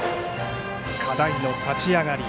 課題の立ち上がり